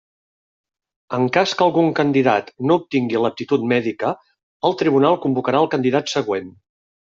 En cas que algun candidat no obtingui l'aptitud mèdica, el tribunal convocarà al candidat següent.